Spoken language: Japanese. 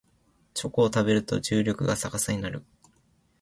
チョコを食べると重力が逆さになる